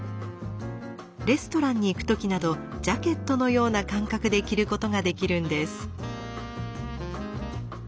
レストランに行く時などジャケットのような感覚で着ることができるんです。